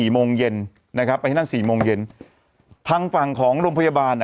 โมงเย็นนะครับไปที่นั่นสี่โมงเย็นทางฝั่งของโรงพยาบาลอ่ะ